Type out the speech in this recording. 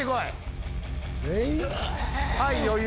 はい余裕。